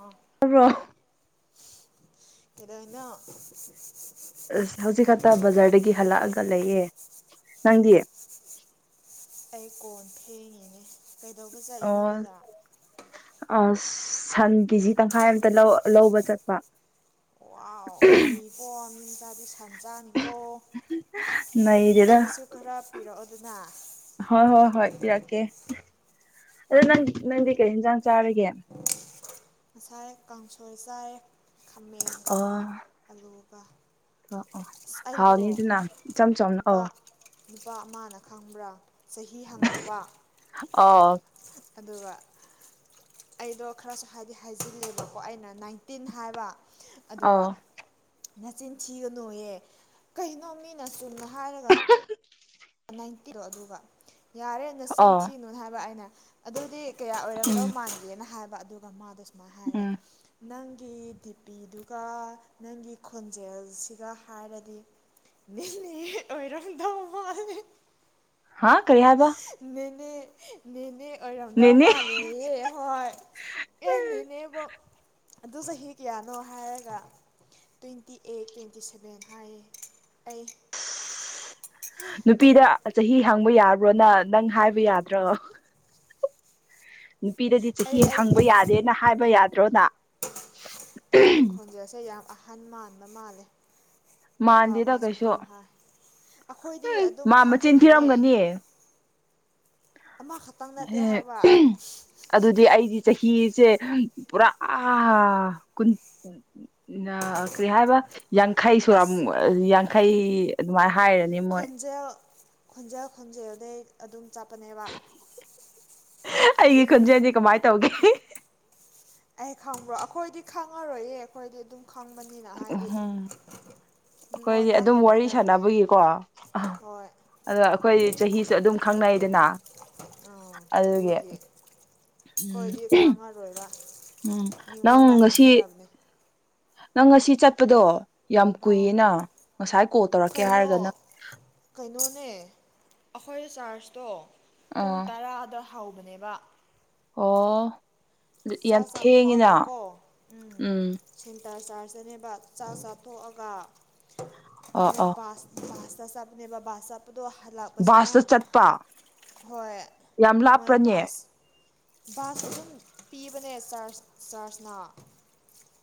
ꯑꯥ ꯇꯥꯕ꯭ꯔꯣ ꯀꯩꯗꯧꯅ‌ꯣ ꯑꯁ ꯍꯧꯖꯤꯛ ꯈꯛꯇ ꯕꯖꯥꯔꯗꯒꯤ ꯍꯜꯂꯛꯑꯒ ꯂꯩꯌꯦ ꯅꯪꯗꯤ ꯑꯩ ꯀꯣꯟ ꯐ‌ꯦꯡꯉꯤꯅꯦ ꯀꯩꯗꯧꯕ ꯑꯣ ꯆꯠꯂꯤꯅꯣ ꯕꯖꯥ ꯑꯁ ꯁꯟ ꯀꯦꯖꯤ ꯇꯪꯈꯥꯏ ꯑꯃꯝꯇ ꯂꯧꯕ ꯆꯠꯄ ꯋꯥꯎ ꯅꯩꯀ‌ꯣ ꯃꯤ ꯃꯆꯥꯗꯤ ꯁꯟ ꯆꯥꯅꯤ ꯀꯣ ꯅꯩꯗꯦꯗ ꯑꯩꯒꯤꯁꯨ ꯈꯔ ꯄꯤꯔꯛꯑꯣ ꯑꯗꯨꯅ ꯍꯣꯏ ꯍꯣꯏ ꯍꯣꯏ ꯄꯤꯔꯛꯀꯦ ꯑꯗꯣ ꯅꯪ ꯅꯪꯗꯤ ꯀꯩ ꯌꯦꯟꯖꯥꯡ ꯆꯥꯔꯒꯦ ꯉꯁꯥꯏ ꯀꯥꯡꯁꯣꯏ ꯆꯥꯏꯌ‌ꯦ ꯈꯥꯃꯦꯟꯒ ꯑꯣ ꯑꯂꯨꯒ ꯑꯣ ꯑꯣ ꯑꯁ ꯑꯩꯗꯣ ꯍꯥꯎꯅꯤꯗꯅ ꯏꯆꯝ ꯆꯝꯅ ꯅꯨꯄꯥ ꯑꯣ ꯅꯨꯄꯥ ꯑꯃꯅ ꯈꯪꯕ꯭ꯔꯥ ꯆꯍꯤ ꯍꯪꯉꯛꯄ ꯑꯣ ꯑꯗꯨꯒ ꯑꯩꯗꯣ ꯈꯔꯁꯨ ꯍꯥꯏꯗꯤ ꯍꯥꯏꯖꯤꯂꯦꯕꯀꯣ ꯑꯩꯅ ꯅꯥꯏꯟꯇꯤꯟ ꯍꯥꯏꯕ ꯑꯗꯨꯒ ꯑꯣ ꯅꯆꯤꯟ ꯊꯒꯅꯨꯌꯦ ꯀꯩꯅꯣ ꯃꯤꯅ ꯆꯨꯝꯅ ꯍꯥꯏꯔꯒ [inaudible] ꯋꯥ ꯅꯥꯏꯟꯇꯤꯗꯣ ꯑꯗꯨꯒ ꯌꯥꯔꯦ ꯅꯆꯤꯟ ꯑꯣ ꯊꯤꯅꯨꯅ ꯍꯥꯏꯕ ꯑꯩꯅ ꯑꯗꯨꯗꯤ ꯀꯌꯥ ꯎꯝ ꯑꯣꯏꯔꯝꯗꯧ ꯃꯥꯟꯒꯦꯅ ꯍꯥꯏꯕ ꯑꯗꯨꯒ ꯃꯥꯗꯣ ꯁꯨꯃꯥꯏꯅ ꯍꯥꯏꯕ ꯎꯝ ꯅꯪꯒꯤ ꯗꯤꯄꯤꯗꯨꯒ ꯅꯪꯒꯤ ꯈꯣꯟꯖꯦꯜꯁꯤꯒ ꯍꯥꯏꯔꯗꯤ ꯅꯥꯪꯅꯦ ꯑꯣꯏꯔꯝꯗꯧ ꯃꯥꯜꯂꯦ ꯍꯥ ꯀꯔꯤ ꯍꯥꯏꯕ ꯅꯦꯅ‌ꯦ ꯅꯦꯅꯦ ꯑꯣꯏꯔꯝꯗꯧ ꯅꯦꯅꯦ ꯃꯥꯂꯦ ꯑꯦ ꯍꯣꯏ ꯑꯦꯅꯦꯅꯦꯕꯣ ꯑꯗꯨ ꯆꯍꯤ ꯀꯌꯥꯅꯣ ꯍꯥꯏꯔꯒ ꯇ꯭ꯋꯦꯟꯇꯤ ꯑꯩꯠ ꯇ꯭ꯋꯦꯟꯇꯤ ꯁꯚꯦꯟ ꯍꯥꯏꯌꯦ ꯑꯩ ꯅꯨꯄꯤꯗ ꯆꯍꯤ ꯍꯡꯕ ꯌꯥꯕ꯭ꯔꯣꯅ ꯅꯪ ꯍꯥꯏꯕ ꯌꯥꯗ꯭ꯔ‌ꯣ ꯅꯨꯄꯤꯗꯗꯤ ꯆꯍꯤ ꯑꯩ ꯍꯪꯕ ꯑꯩꯒꯤ ꯌꯥꯗꯦꯅ ꯍꯥꯏꯕ ꯌꯥꯗ꯭ꯔꯣꯅ ꯑꯩꯒꯤ ꯈꯣꯟꯖꯦꯜꯁꯦ ꯌꯥꯝ ꯑꯍꯟ ꯃꯥꯟꯕ ꯃꯥꯜꯂꯦ ꯅꯨꯄꯥ ꯃꯥꯟꯗꯦꯗ ꯃꯥꯁꯨ ꯀꯩꯁꯨ ꯑꯗꯨꯝ ꯍꯥꯏ ꯑꯩꯈꯣꯏꯗꯤ ꯑꯗꯨꯝ ꯃꯥ ꯃꯆꯤꯟ ꯈꯪꯕꯒꯤꯅꯦ ꯊꯤꯔꯝꯒꯅꯤ ꯑꯃ ꯈꯇꯪ ꯅꯇꯦꯍꯥꯏꯕ ꯑꯗꯨꯗꯤ ꯑꯩꯗꯤ ꯆꯍꯤꯁꯦ ꯄꯨꯔꯥ ꯀꯨꯟ ꯀꯔꯤ ꯍꯥꯏꯕ ꯌꯥꯡꯈꯩꯁꯨ ꯑꯁ ꯑꯃꯨꯛ ꯌꯥꯡꯈꯩ ꯑꯗꯨꯃꯥꯏꯅ ꯍꯥꯏꯔꯅꯤ ꯃꯣꯏ ꯈꯣꯟꯖꯦꯜ ꯈꯣꯟꯖꯦꯜ ꯈꯣꯟꯖꯦꯜꯗꯩ ꯑꯗꯨꯝ ꯆꯠꯄꯅꯦꯕ ꯑꯩꯒꯤ ꯈꯨꯣꯟꯖꯦꯜꯗꯤ ꯀꯃꯥꯏꯅ ꯇꯧꯒꯦ ꯑꯩ ꯈꯪꯕ꯭ꯔꯣ ꯑꯩꯈꯣꯏꯗꯤ ꯈꯪꯉꯔꯣꯏꯌꯦ ꯑꯩꯈꯣꯏꯗꯤ ꯑꯗꯨꯝ ꯈꯪꯕꯅꯤꯅ ꯍꯥꯏꯗꯤ ꯎꯝ ꯑꯩꯈꯣꯏꯗꯤ ꯃꯤꯉꯣꯟꯗ ꯑꯗꯨꯝ ꯋꯥꯔꯤ ꯍꯪꯒꯗꯕꯅꯦ ꯁꯥꯟꯅꯕꯒꯤꯀꯣ ꯍꯣꯏ ꯑꯗꯣ ꯑꯩꯈꯣꯏ ꯆꯍꯤꯁꯨꯦ ꯑꯗꯨꯝ ꯈꯪꯅꯩꯗꯅ ꯑꯣ ꯑꯗꯨꯒꯤ ꯑꯗꯨꯗꯤ ꯎꯝ ꯍꯣꯏꯗꯤ ꯈꯪꯉꯔꯣꯏꯕ ꯎꯝ ꯅꯪ ꯃꯤꯉꯣꯟꯗ ꯉꯁꯤ ꯍꯪꯒꯗꯕꯅꯦ ꯅꯪ ꯉꯁꯤ ꯆꯠꯄꯗꯣ ꯌꯥꯝ ꯑꯥ ꯀꯨꯏꯌ‌ꯦꯅ ꯉꯁꯥꯏ ꯀꯣꯜ ꯇꯧꯔꯛꯀꯦ ꯀꯩꯅꯣ ꯍꯥꯏꯔꯒ ꯅꯪ ꯀꯩꯅꯣꯅꯦ ꯑꯩꯈꯣꯏ ꯆ꯭ꯔꯖꯇꯣ ꯄꯨꯡ ꯑꯥ ꯇꯔꯥꯗ ꯍꯧꯕꯅꯦꯕ ꯑꯣ ꯌꯥꯝ ꯆꯥꯛ ꯆꯥꯊꯣꯛꯑꯒ ꯊꯦꯡꯉꯤꯅ ꯀꯣ ꯎꯝ ꯁꯦꯟꯇꯔ ꯆꯥꯔꯁꯇꯅꯦꯕ ꯆꯥꯛ ꯆꯥꯊꯣꯛꯑꯒ ꯑꯣ ꯑꯩꯅ ꯑꯣ ꯕꯥꯁ [unintelligible] ꯑꯗꯣ ꯍꯜꯂꯛꯄꯁꯤꯅ ꯕꯥꯁꯇ ꯆꯠꯄ ꯍꯣꯏ ꯌꯥꯝ ꯃꯣꯏ ꯂꯥꯞꯄ꯭ꯔꯅꯦ ꯕꯥꯁ ꯕꯥꯁ ꯑꯗꯨꯝ ꯄꯤꯕꯅꯦ ꯆꯔ꯭ꯆ ꯆꯔ꯭ꯆꯅ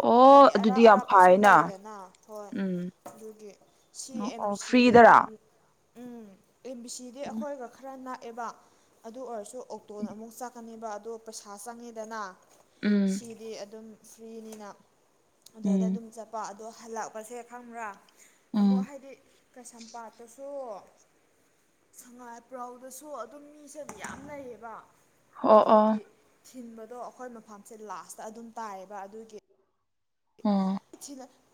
ꯑꯣ ꯍꯥꯏꯗꯤ ꯑꯔꯥꯞ ꯑꯗꯨꯗꯤ ꯌꯥꯝ ꯑꯔꯥꯞꯄꯁꯨ ꯐꯥꯏꯅ ꯂꯩꯗꯅ ꯍꯣꯏ ꯎꯝ ꯑꯗꯨꯒꯤ ꯁꯤ ꯑꯣ ꯑꯦꯝ ꯑꯣ ꯕꯤ ꯁꯤꯗꯗꯤ ꯐ꯭ꯔꯤꯗꯔꯥ ꯎꯝ ꯑꯦꯝ ꯕꯤ ꯁꯤꯗꯤ ꯎꯝ ꯑꯩꯈꯣꯏꯒ ꯈꯔ ꯅꯥꯛꯑꯦꯕ ꯑꯗꯨ ꯑꯣꯏꯔꯁꯨ ꯑꯣꯛꯇꯣꯅ ꯑꯃꯨꯛ ꯆꯠꯀꯅꯦꯕ ꯑꯗꯣ ꯄꯩꯁꯥ ꯆꯪꯉꯤꯗꯅ ꯁꯤꯗꯤ ꯑꯗꯨꯝ ꯐ꯭ꯔꯤꯅꯤꯅ ꯑꯗꯨꯏꯗ ꯎꯝ ꯑꯗꯨꯝ ꯆꯠꯄ ꯄꯗꯣ ꯍꯜꯂꯛꯄꯁꯦ ꯈꯪꯕ꯭ꯔꯥ ꯑꯃꯨꯛ ꯎꯝ ꯍꯥꯏꯗꯤ ꯀꯩꯁꯝꯄꯥꯠꯇꯁꯨ ꯁꯉꯥꯏꯄ꯭ꯔꯧꯗꯁꯨ ꯑꯗꯨꯝ ꯃꯤꯁꯦ ꯑꯗꯨꯝ ꯌꯥꯝ ꯂꯩꯩꯌꯦꯕ ꯑꯣ ꯑꯣ ꯊꯤꯟꯕꯗꯣ ꯑꯩꯈꯣꯏ ꯃꯐꯝꯁꯦ ꯂꯥꯁꯇ ꯑꯗꯨꯝ ꯇꯥꯏꯌꯦꯕ ꯑꯗꯨꯒꯤ ꯑꯣ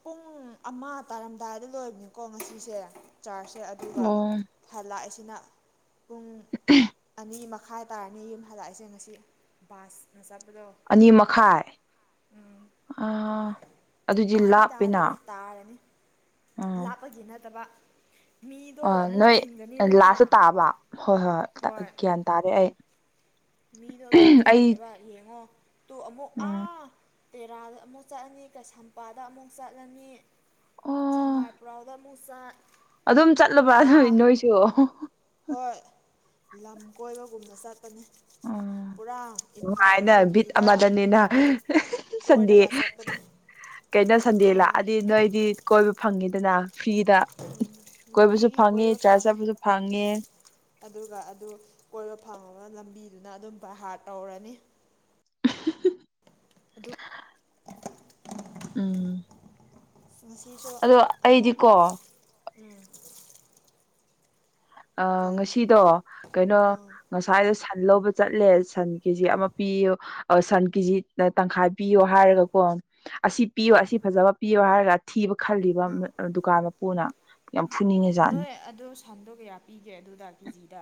ꯄꯨꯡ ꯑꯃ ꯇꯥꯔꯝꯗꯥꯏꯗ ꯂꯣꯏꯕꯅꯤꯀꯣ ꯉꯁꯤꯁꯦ ꯆꯥꯔꯖꯁꯦ ꯑꯗꯨꯒ ꯑꯣ ꯊꯜ ꯂꯥꯛꯏꯁꯤꯅ ꯄꯨꯡ ꯑꯅꯤ ꯃꯈꯥ ꯇꯥꯏ ꯇꯥꯔꯅꯦ ꯌꯨꯝ ꯍꯗꯛꯏꯁꯦ ꯉꯁꯤ ꯕꯥꯁꯅ ꯆꯠꯄꯗꯣ ꯑꯅꯤ ꯃꯈꯥꯏ ꯑ ꯑꯗꯨꯗꯤ ꯇꯥꯗꯤ ꯂꯥꯞꯄꯦꯅ ꯇꯥꯗ꯭ꯔꯤ ꯇꯥꯔꯅꯤ ꯎꯝ ꯂꯥꯞꯄꯒꯤ ꯅꯠꯇꯕ ꯑ ꯃꯤꯗꯣ ꯑꯃꯨꯛ ꯅꯣꯏ ꯂꯥꯁꯇ ꯊꯤꯟꯒꯅꯤꯗꯅ ꯇꯥꯕ ꯍꯣꯏ ꯍꯣꯏ ꯒ꯭ꯌꯥꯟ ꯇꯥꯔꯦ ꯑꯩ ꯃꯤꯗꯣ ꯑꯗꯨꯝ ꯑꯩ ꯊꯤꯟꯕꯅꯦꯕ ꯌꯦꯡꯉꯣ ꯇꯨ ꯑꯃꯨꯛ ꯎꯝ ꯑꯥ ꯇꯦꯔꯥꯗ ꯑꯃꯨꯛ ꯑꯃꯨꯛ ꯆꯠꯂꯅꯤ ꯀꯩꯁꯥꯝꯄꯥꯗ ꯑꯃꯨꯛ ꯆꯠꯂꯅꯤ ꯑꯣ ꯁꯉꯥꯏꯄ꯭ꯔꯥꯎꯗ ꯑꯃꯨꯛ ꯆꯠ ꯑꯗꯨꯝ ꯆꯠꯂꯕ ꯑꯗꯨ ꯄꯨꯔꯥ ꯅꯣꯏꯁꯨ ꯍꯣꯏ ꯂꯝ ꯀꯣꯏꯕꯒꯨꯝꯅ ꯆꯠꯄꯅꯦ ꯎꯝ ꯄꯨꯔꯥ ꯏꯝꯐꯥꯜ ꯅꯨꯡꯉꯥꯏꯅ ꯕꯤꯠ ꯕꯦꯂꯤꯗ ꯑꯃꯗꯅꯤꯅ ꯁꯟꯗꯦ ꯀꯣꯏꯔꯒ ꯆꯠꯄꯅꯦ ꯀꯩꯅꯣ ꯁꯟꯗꯦ ꯑꯥ ꯂꯥꯛꯑꯗꯤ ꯅꯣꯏꯗꯤ ꯀꯣꯏꯕ ꯐꯪꯉꯤꯗꯅ ꯐ꯭ꯔꯤꯗ ꯀꯣꯏꯕꯁꯨ ꯅꯨꯡꯇꯤꯒꯤ ꯐꯪꯉꯦ ꯀꯣꯏꯕ ꯆꯥ ꯆꯥꯕꯁꯨ ꯐꯪꯉꯦ ꯑꯗꯨꯒ ꯑꯗꯨ ꯀꯣꯏꯕ ꯐꯪꯉꯕ ꯂꯝꯕꯤꯗꯨꯅ ꯑꯗꯨꯝ ꯚꯔꯍꯥꯔ ꯇꯧꯔꯅꯤ [inaudible] ꯑꯗꯨ ꯎꯝ ꯉꯁꯤꯁꯨ ꯑꯗꯣ ꯑꯃꯨꯛ ꯑꯩꯗꯤꯀꯣ ꯎꯝ ꯑ ꯀꯥꯏ ꯉꯁꯤꯗꯣ ꯀꯩꯅꯣ ꯑꯥ ꯉꯁꯥꯏꯗꯣ ꯁꯟ ꯂꯧꯕ ꯆꯠꯂꯦ ꯁꯟ ꯀꯦꯖꯤ ꯑꯃ ꯄꯤꯌꯨ ꯁꯟ ꯀꯦꯖꯤ ꯇꯪꯈꯥꯏ ꯄꯤꯌꯣ ꯍꯥꯏꯔꯒ ꯀꯣ ꯑꯁꯤ ꯄꯤꯌꯣ ꯑꯁꯤ ꯐꯖꯕ ꯄꯤꯌꯣ ꯍꯥꯏꯔꯒ ꯊꯤꯕ ꯈꯜꯂꯤꯕ ꯑꯥ ꯗꯨꯀꯥꯟ ꯃꯄꯨꯅ ꯌꯥꯝ ꯐꯨꯅꯤꯡꯉꯖꯥꯠꯅꯤ ꯑꯗꯨ ꯁꯟꯗꯣ ꯀꯌꯥ ꯄꯤꯒꯦ ꯑꯗꯨꯗ ꯀꯦꯖꯤꯗ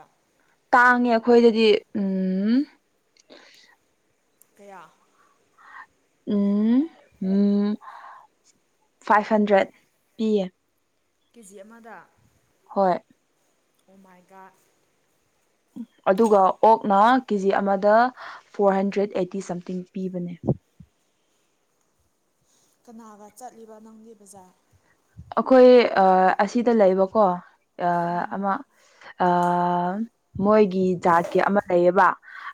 ꯇꯥꯡꯉꯦ ꯑꯩꯈꯣꯏꯗꯗꯤ ꯎꯝ ꯀꯌꯥ ꯎꯝ ꯎ ꯐꯥꯏꯚ ꯍꯟꯗ꯭ꯔꯦꯠ ꯄꯤꯌꯦ ꯀꯦ ꯖꯤ ꯑꯃꯗ ꯍꯣꯏ ꯑꯣꯃꯥꯏꯒ ꯑꯗꯨꯒ ꯑꯣꯛꯅ ꯀꯦꯖꯤ ꯑꯃꯗ ꯐꯣꯔ ꯍꯟꯗ꯭ꯔꯦꯠ ꯑꯩꯠꯇꯤ ꯁꯝꯊꯤꯡ ꯄꯤꯕꯅꯦ ꯀꯅꯥꯒ ꯆꯠꯂꯤꯕ ꯅꯪꯒꯤ ꯕꯖꯥꯔ ꯑꯩꯈꯣꯏ ꯑꯁꯤꯗ ꯂꯩꯕꯀꯣ ꯎꯝ ꯑꯃ ꯑ ꯃꯣꯏꯒꯤꯥ ꯀ ꯑꯃ ꯂꯩꯌꯦꯕ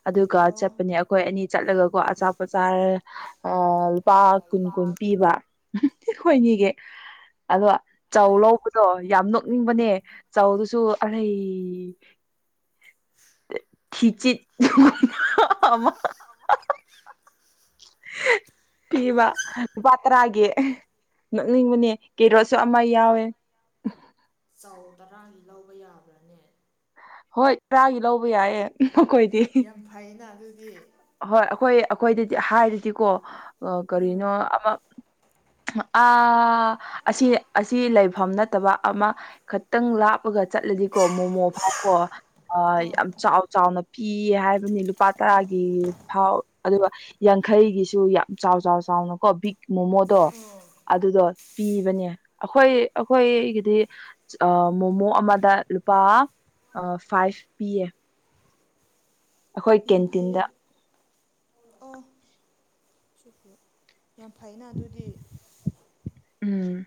ꯑꯗꯨꯒ ꯑꯣ ꯆꯠꯄꯅꯦ ꯑꯩꯈꯣꯏ ꯑꯅꯤ ꯆꯠꯂꯒꯀꯣ ꯑꯆꯥꯄꯣꯆꯥꯔ ꯑ ꯂꯨꯄꯥ ꯀꯨꯟ ꯀꯨꯟ ꯄꯤꯕꯈꯣꯏꯅꯤꯒꯤ ꯑꯗꯣ ꯆꯧ ꯅꯣꯏ ꯂꯧꯕꯗꯣ ꯌꯥꯝ ꯅꯣꯛꯅꯤꯡꯕꯅꯦ ꯆꯧꯗꯨꯁꯨ ꯑꯔꯩ ꯊꯤꯆꯦ [unintelligible] ꯄꯤꯕ ꯂꯨꯄꯥ ꯇꯔꯥꯒꯤ ꯅꯣꯛꯅꯤꯡꯕꯅꯦ ꯀꯦꯔꯣꯠꯁꯨ ꯑꯃ ꯌꯥꯎꯋꯦ ꯆꯧ ꯇꯔꯥꯒꯤ ꯂꯧꯕ ꯌꯥꯕ꯭ꯔꯥꯅꯦ ꯍꯣꯏ ꯇꯔꯥꯒꯤ ꯂꯧꯕ ꯌꯥꯏꯌꯦ ꯃꯈꯣꯏꯗꯤ ꯌꯥꯝ ꯐꯩꯅ ꯑꯗꯨꯒꯤ ꯍꯣꯏ ꯑꯩꯈꯣꯏ ꯑꯩꯈꯣꯏꯗꯗꯤ ꯍꯥꯏꯔꯤꯗꯤꯀꯣ ꯎꯝ ꯀꯔꯤꯅꯣ ꯑꯃ ꯑꯥ ꯑꯁꯤ ꯑꯁꯤ ꯂꯩꯐꯝ ꯅꯠꯇꯕ ꯑꯃ ꯈꯈꯤꯇꯪ ꯂꯥꯞꯂꯒ ꯆꯠꯂꯗꯤꯀꯣ ꯃꯣꯃꯣ ꯐꯀꯣ ꯌꯥꯝ ꯑꯥ ꯆꯥꯎ ꯆꯥꯎꯅ ꯄꯤꯌꯦ ꯍꯥꯏꯕꯅꯤ ꯂꯨꯄꯥ ꯇꯔꯥꯒꯤ ꯐꯥꯎ ꯑꯗꯨꯒ ꯌꯥꯡꯈꯩꯒꯤꯁꯨ ꯌꯥꯝ ꯆꯥꯎ ꯆꯥꯎ ꯆꯥꯎꯅꯀꯣ ꯕꯤꯛ ꯃꯣꯃꯣꯗꯣ ꯑꯥ ꯑꯗꯨꯗꯣ ꯄꯤꯕꯅꯦ ꯑꯩꯈꯣꯏ ꯑꯩꯈꯣꯏꯒꯤꯗꯤ ꯃꯣꯃꯣ ꯑꯃꯗ ꯂꯨꯄꯥ ꯐꯥꯏꯚ ꯄꯤꯌꯦ ꯑꯩꯈꯣꯏ ꯌꯥꯝ ꯐꯩꯌꯦ ꯀꯦꯟꯇꯤꯟꯗ ꯑꯣ ꯁꯀꯌꯣ ꯌꯥꯝ ꯐꯥꯏꯅ ꯑꯗꯨꯗꯤ ꯎꯝ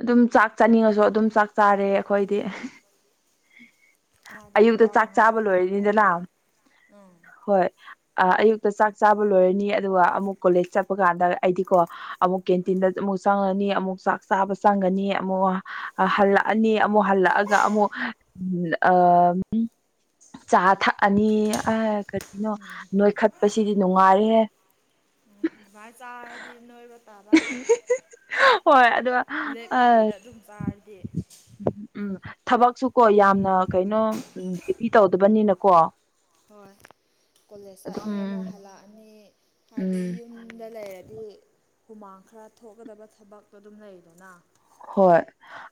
ꯑꯗꯨꯝ ꯆꯥꯛ ꯆꯥꯅꯤꯡꯉꯁꯨ ꯑꯗꯨꯝ ꯆꯥꯛ ꯆꯥꯔꯦ ꯑꯩꯈꯣꯏꯗꯤ ꯑꯃꯗ ꯑꯌꯨꯛꯇ ꯂꯨꯄꯥ ꯆꯥꯛ ꯆꯥꯕ ꯃꯉꯥꯗꯤ ꯌꯥꯝ ꯂꯣꯏꯔꯅꯤꯗꯅ ꯐꯩꯌꯦ ꯎꯝ ꯍꯣꯏ ꯑ ꯑꯌꯨꯛꯇ ꯆꯥꯛ ꯆꯥꯕ ꯂꯣꯏꯔꯅꯤ ꯑꯗꯨꯒ ꯑꯃꯨꯛ ꯀꯣꯂꯦꯖ ꯆꯠꯄ ꯀꯥꯟꯗ ꯑꯩꯗꯤꯀꯣ ꯑꯃꯛꯦꯦꯟ ꯇꯤꯟ ꯆꯪꯉꯅꯤ ꯑꯃꯨꯛ ꯆꯥꯛ ꯆꯥꯕ ꯆꯪꯒꯅꯤ ꯑꯃꯨꯛ ꯍꯜꯂꯛꯑꯅꯤ ꯑꯃꯨꯛ ꯍꯜꯂꯛꯑꯒ ꯑꯃꯨꯛ ꯑ ꯆꯥ ꯊꯛꯑꯅꯤ ꯑ ꯀꯔꯤꯅꯣ ꯅꯣꯏꯈꯠꯄꯁꯤꯗꯤ ꯅꯨꯡꯉꯥꯏꯔꯍꯦ [unintelligible] ꯑꯗꯨꯃꯥꯏꯅ ꯆꯥꯔꯗꯤ ꯅꯣꯏꯕ ꯇꯥꯕ [unintelligible] ꯍꯣꯏ ꯑꯗꯨꯒ ꯂꯦꯛꯛꯇꯕꯤꯗ ꯑꯗꯨꯝ ꯄꯥꯔꯗꯤ ꯎꯝ ꯎꯝ ꯊꯕꯛꯁꯨ ꯀꯣ ꯌꯥꯝꯅ ꯀꯩꯅꯣ ꯎꯝ ꯇꯧꯗꯕꯅꯤꯅꯀꯣ ꯍꯣꯏ ꯀꯣꯂꯦꯖ ꯆꯠꯂꯅꯤ ꯑꯗꯨꯝ ꯑꯃꯨꯛ ꯍꯜꯂꯛꯑꯅꯤ ꯍꯥꯏꯗꯤ ꯎꯝ ꯌꯨꯝꯗ ꯂꯩꯔꯗꯤ ꯍꯥꯏꯗꯤ ꯍꯨꯃꯥꯡ ꯈꯔ ꯊꯣꯛꯀꯗꯕ ꯊꯕꯛꯇꯣ ꯑꯗꯨꯝ ꯂꯩꯗꯅ ꯍꯣꯏ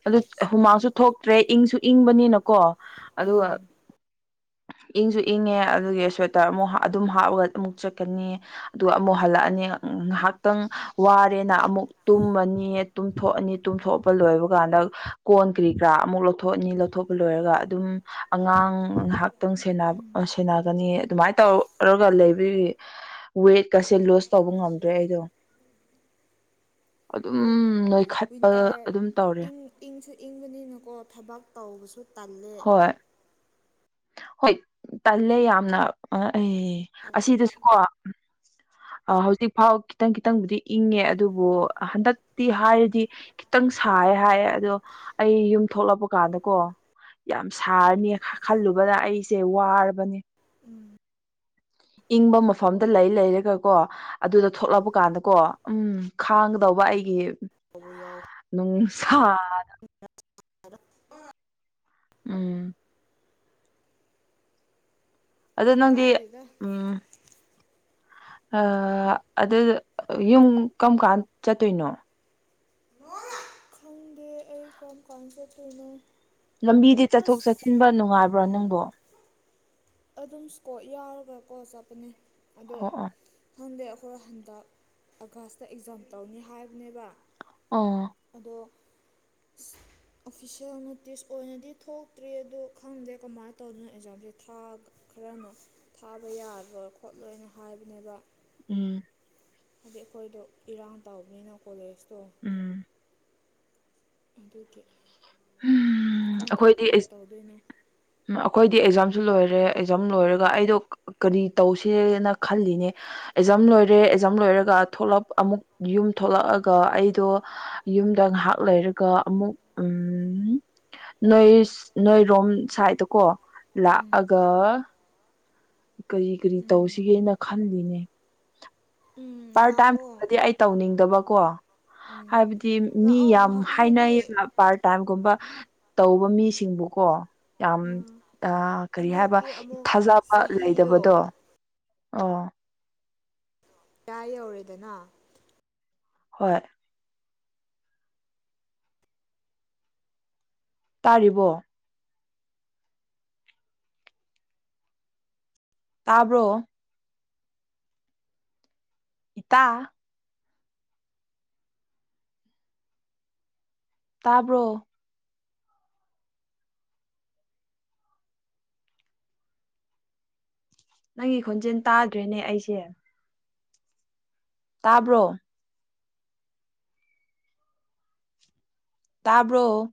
ꯑꯗꯨ ꯁꯤꯗꯗꯤ ꯍꯨꯃꯥꯡꯁꯨ ꯊꯣꯛꯇ꯭ꯔꯦ ꯏꯪꯁꯨ ꯏꯪꯕꯅꯤꯅꯀꯣ ꯑꯗꯨꯒ ꯏꯪꯁꯨ ꯏꯪꯉꯦ ꯑꯗꯨꯒꯤ ꯁ꯭ꯋꯦꯇꯔ ꯑꯃꯨꯛ ꯑꯗꯨꯝ ꯍꯥꯞꯄꯒ ꯑꯃꯨꯛ ꯆꯠꯀꯅꯤ ꯑꯗꯨꯒ ꯑꯃꯨꯛ ꯍꯜꯂꯛꯑꯅꯤ ꯉꯥꯏꯍꯥꯛꯇꯪ ꯋꯥꯔꯦꯅ ꯑꯃꯨꯛ ꯇꯨꯝꯃꯅꯤ ꯇꯨꯝꯊꯣꯛꯑꯅꯤ ꯇꯨꯝꯊꯣꯛꯄ ꯂꯣꯏꯕ ꯀꯥꯟꯗ ꯀꯣꯟ ꯀꯔꯤ ꯀꯔꯥ ꯑꯃꯨꯛ ꯂꯧꯊꯣꯛꯑꯅꯤ ꯂꯧꯊꯣꯛꯄ ꯂꯣꯏꯔꯒ ꯑꯗꯨꯝ ꯑꯉꯥꯡ ꯉꯥꯏꯍꯥꯛꯇꯪ ꯁꯦꯟꯅꯒꯅꯤ ꯑꯗꯨꯃꯥꯏ ꯇꯧꯔꯒ ꯂꯩꯕꯤꯒꯤ ꯋꯦꯠꯀꯁꯦ ꯂꯣꯁ ꯇꯧꯕ ꯉꯝꯗ꯭ꯔꯦ ꯁꯤꯅ ꯑꯩꯗꯣ ꯑꯗꯨꯝ ꯑꯗꯣ ꯅꯣꯏꯈꯠꯄ ꯋꯤꯟꯇꯔ ꯑꯗꯨꯝ ꯇꯧꯔꯦ ꯏꯪ ꯏꯪꯁꯨ ꯏꯪꯕꯅꯤꯅꯀꯣ ꯊꯕꯛ ꯇꯧꯕꯁꯨ ꯇꯜꯂꯦ ꯍꯣꯏ ꯍꯣꯏ ꯇꯜꯂꯦ ꯌꯥꯝꯅ ꯑꯦ ꯍꯧꯒꯠꯄ ꯑꯁꯤꯗꯁꯨꯀꯣ ꯍꯧꯖꯤꯛ ꯐꯥꯎ ꯈꯤꯇꯪ ꯈꯤꯇꯪꯕꯨꯗꯤ ꯏꯪꯉꯦ ꯑꯗꯨꯕꯨ ꯍꯟꯗꯛꯇꯤ ꯍꯥꯏꯔꯗꯤ ꯈꯤꯇꯪ ꯁꯥꯏ ꯍꯥꯏꯌꯦ ꯑꯗꯣ ꯑꯩ ꯌꯨꯝ ꯊꯣꯛꯂꯛꯄ ꯀꯥꯟꯗꯀꯣ ꯌꯥꯝ ꯁꯥꯔꯅꯤ ꯈꯜꯂꯨꯕꯗ ꯑꯩꯁꯦ ꯋꯥꯔꯕꯅꯦ ꯎꯝ ꯏꯪꯕ ꯃꯐꯝꯗ ꯂꯩ ꯂꯩꯔꯒ ꯀꯣ ꯑꯗꯨꯗ ꯊꯣꯛꯂꯛꯄ ꯀꯥꯟꯗꯀꯣ ꯎꯝ ꯈꯥꯡꯒꯗꯧꯕ ꯑꯩꯒꯤ ꯀ ꯌꯥꯎ ꯅꯨꯡꯁꯥ [unintelligible] ꯎꯝ ꯑꯗꯣ ꯀꯩꯝ ꯅꯪꯗꯤ ꯀꯥꯏꯗꯦꯗ ꯎꯝ ꯑꯗꯨ ꯌꯨꯝ ꯀꯔꯝ ꯀꯥꯟ ꯆꯠꯇꯣꯏꯅꯣ ꯈꯪꯗꯦ ꯑꯩ ꯀꯝ ꯀꯥꯟ ꯆꯠꯇꯣꯏꯅꯣ ꯂꯝꯕꯤꯗꯤ ꯆꯠꯊꯣꯛ ꯑꯁ ꯆꯠꯁꯤꯟꯕ ꯅꯨꯡꯉꯥꯏꯕꯔꯥ ꯅꯪꯕꯣ ꯑꯗꯨꯝ ꯁꯀꯣꯔ ꯌꯥꯎꯔꯒ ꯀꯣ ꯆꯠꯄꯅꯦ ꯑꯗꯣ ꯑꯣ ꯑꯣ ꯈꯪꯗꯦ ꯑꯩꯈꯣꯏ ꯍꯟꯗꯛ ꯑꯥꯒꯁꯇ ꯑꯦꯛꯖꯥꯝ ꯇꯧꯅꯤ ꯍꯥꯏꯕꯅꯦꯕ ꯑ ꯑꯗꯣ ꯑꯣꯐꯤꯁꯦꯜ ꯅꯣꯇꯤꯁ ꯑꯣꯏꯅꯗꯤ ꯊꯣꯛꯇ꯭ꯔꯤ ꯑꯗꯣ ꯈꯪꯗ꯭ꯔꯦ ꯀꯃꯥꯏꯅ ꯇꯧꯗꯨꯅꯣ ꯑꯦꯛꯖꯥꯝꯁꯦ ꯊꯥꯕ ꯈꯔꯅ ꯊꯥꯕ ꯌꯥꯔꯣꯏ ꯈꯣꯠꯂꯣꯏꯅ ꯍꯥꯏꯕꯅꯦꯕ ꯎꯝ ꯍꯥꯏꯗꯤ ꯑꯩꯈꯣꯏꯗꯣ ꯏꯔꯥꯡ ꯇꯧꯕꯅꯤꯅ ꯀꯣꯂꯦꯖꯇꯣ ꯎꯝ ꯑꯗꯨꯒꯤ ꯎꯝ ꯈꯪꯗ꯭ꯔꯦ ꯑꯩꯈꯣꯏꯗꯤ ꯀꯃꯥꯏꯅ ꯇꯧꯗꯣꯏꯅꯣ ꯎꯝ ꯑꯩꯈꯣꯏꯗꯤ ꯑꯦꯛꯖꯥꯝꯁꯨ ꯂꯣꯏꯔꯦ ꯑꯦꯛꯖꯥꯝ ꯂꯣꯏꯔꯒ ꯑꯩꯗꯣ ꯀꯔꯤ ꯇꯧꯁꯦꯅ ꯈꯜꯂꯤꯅꯦ ꯑꯦꯛꯖꯝ ꯂꯣꯏꯔꯦ ꯑꯦꯛꯖꯥꯝ ꯂꯣꯏꯔꯒ ꯊꯣꯛꯂꯛ ꯑꯃꯨꯛ ꯌꯨꯝ ꯊꯣꯛꯂꯛꯑꯒ ꯑꯩꯗꯣ ꯌꯨꯝꯗ ꯉꯥꯏꯍꯥꯛ ꯂꯩꯔꯒ ꯑꯃꯨꯛ ꯎꯝ ꯎꯝ ꯅꯣꯏ ꯅꯣꯏꯔꯣꯝ ꯁꯥꯏꯠꯇꯀꯣ ꯎꯝ ꯂꯥꯛꯑꯒ ꯀꯔꯤ ꯀꯔꯤ ꯎꯝ ꯇꯧꯁꯤꯒꯦꯅ ꯈꯜꯂꯤꯅꯦ ꯎꯝ ꯄꯥꯔ ꯇꯥꯏꯝ ꯂꯥꯛꯑꯣ ꯍꯥꯏꯕꯗꯤ ꯑꯩ ꯇꯧꯅꯤꯡꯗꯕꯀꯣ ꯎꯝ ꯍꯥꯏꯕꯗꯤ ꯃꯤ ꯂꯥꯛꯑꯣ ꯌꯥꯝ ꯍꯥꯏꯅꯩ ꯍꯥꯏꯗꯤ ꯄꯥꯔꯠ ꯇꯥꯏꯝꯒꯨꯝꯕ ꯇꯧꯕ ꯃꯤꯁꯤꯡꯕꯨꯀꯣ ꯌꯥꯝ ꯎꯝ ꯑ ꯀꯔꯤ ꯍꯥꯏꯕ ꯍꯟꯗꯛꯇꯤ ꯑꯃꯨꯛ ꯊꯥꯖꯕ ꯂꯩꯗꯕꯗꯣ ꯆꯍꯤꯗꯣ ꯑꯣ ꯗꯥꯥꯏ ꯌꯧꯔꯦꯗꯅ ꯍꯣꯏ ꯇꯥꯔꯤꯕꯣ ꯇꯥꯕ꯭ꯔꯣ ꯏꯇꯥ ꯇꯥꯕ꯭ꯔꯣ ꯅꯪꯒꯤ ꯈꯣꯟꯖꯦꯜ ꯇꯥꯗ꯭ꯔꯦꯅꯦ ꯑꯩꯁꯦ ꯇꯥꯕ꯭ꯔꯣ ꯇꯥꯕ꯭ꯔꯣ